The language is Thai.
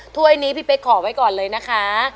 ถ้วยนี้พี่เป๊กขอไว้ก่อนเลยนะคะ